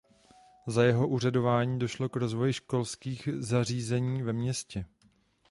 Za jeho úřadování došlo k rozvoji školských zařízení ve městě.